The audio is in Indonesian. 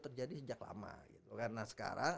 terjadi sejak lama gitu kan nah sekarang